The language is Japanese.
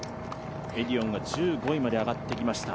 エディオンが１５位まで上がってきました。